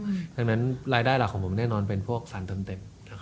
เพราะฉะนั้นรายได้หลักของผมแน่นอนเป็นพวกสารเติมเต็ม